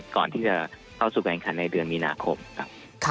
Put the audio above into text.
ก่อนที่จะเข้าสู่การขันในเดือนมีนาคมครับ